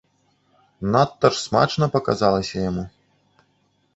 Надта ж смачна паказалася яму.